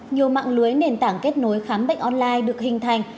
nhiều mạng lưới nền tảng kết nối khám bệnh online được hình thành